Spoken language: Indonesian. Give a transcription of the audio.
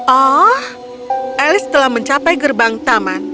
oh elis telah mencapai gerbang taman